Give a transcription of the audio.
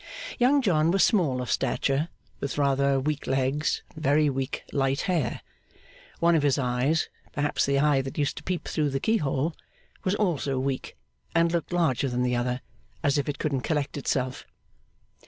Young John was small of stature, with rather weak legs and very weak light hair. One of his eyes (perhaps the eye that used to peep through the keyhole) was also weak, and looked larger than the other, as if it couldn't collect itself.